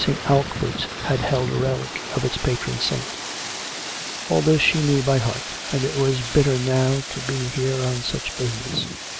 229 St. Alkmund's had held a relic of its patron saint; all this she knew by heart; and it was bitter now to be here on such business.